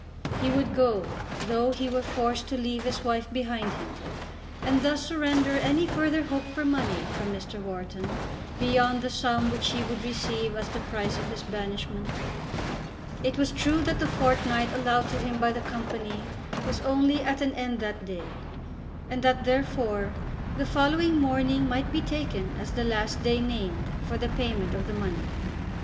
He would go though he were forced to leave his wife behind him, and thus surrender any further hope for money from Mr. Wharton beyond the sum which he would receive as the price of his banishment. It was true that the fortnight allowed to him by the Company was only at an end that day, and that, therefore, the following morning might be taken as the last day named for the payment of the money.